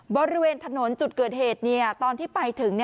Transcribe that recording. บริเวณถนนจุดเกิดเหตุตอนที่ไปถึง